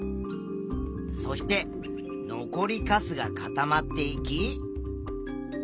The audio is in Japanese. そして残りかすが固まっていき。